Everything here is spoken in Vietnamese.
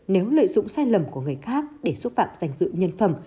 nếu lợi dụng sai lầm của người khác để xúc phạm danh dự nhân phẩm